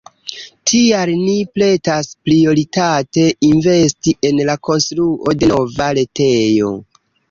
Tial ni pretas prioritate investi en la konstruo de nova retejo.